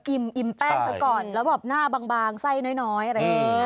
อิ่มแป้งซะก่อนแล้วแบบหน้าบางไส้น้อยอะไรอย่างนี้